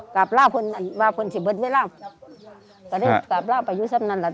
กราบล่าเพิ่งนั่นว่าเพิ่งจะเบิดเวลาแต่นี่กราบล่าไปอยู่ซ้ำนั้นแล้ว